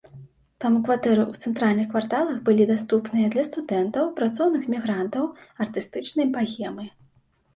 Таму кватэры ў цэнтральных кварталах былі даступныя для студэнтаў, працоўных мігрантаў, артыстычнай багемы.